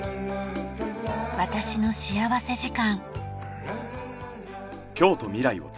『私の幸福時間』。